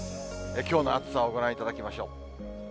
きょうの暑さをご覧いただきましょう。